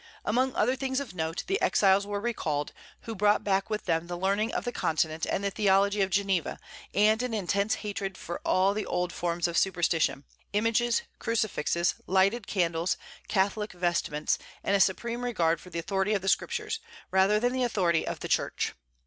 Among other things of note, the exiles were recalled, who brought back with them the learning of the Continent and the theology of Geneva, and an intense hatred for all the old forms of superstition, images, crucifixes, lighted candles, Catholic vestments, and a supreme regard for the authority of the Scriptures, rather than the authority of the Church.